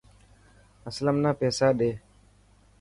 اسلم نا پيسا ڏي.